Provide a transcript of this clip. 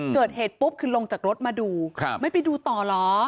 เกิดเหตุปุ๊บคือลงจากรถมาดูไม่ไปดูต่อเหรอ